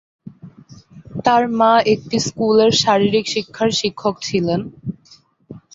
তার মা একটি স্কুলের শারীরিক শিক্ষার শিক্ষক ছিলেন।